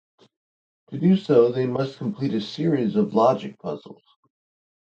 To do so, they must complete a series of logic puzzles.